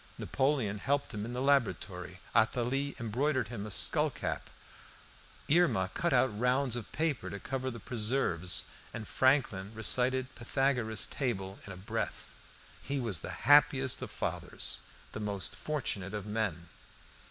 Napoleon helped him in the laboratory, Athalie embroidered him a skullcap, Irma cut out rounds of paper to cover the preserves, and Franklin recited Pythagoras' table in a breath. He was the happiest of fathers, the most fortunate of men.